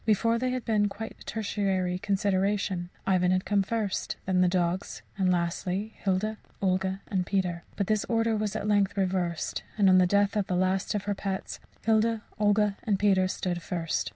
Before, they had been quite a tertiary consideration Ivan had come first; then the dogs; and lastly, Hilda, Olga, and Peter. But this order was at length reversed; and on the death of the last of her pets, Hilda, Olga and Peter stood first.